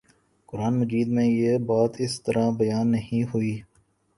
قرآنِ مجید میں یہ بات اس طرح بیان نہیں ہوئی